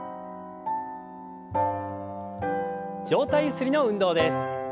上体ゆすりの運動です。